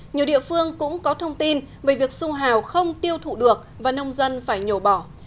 nhiều địa phương cũng có thông tin về việc sung hào không tiêu thụ được và nông dân phải nhổ bỏ